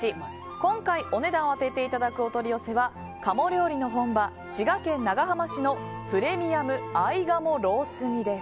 今回、お値段を当てていただくお取り寄せは鴨料理の本場・滋賀県長浜市のプレミアム合鴨ロース煮です。